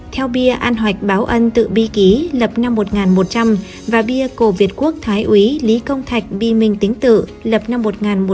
theo bia an hoạch báo ân tự bi ký lập năm một nghìn một trăm linh và bia cổ việt quốc thái úy lý công thạch bi minh tính tự lập năm một nghìn bốn trăm bốn mươi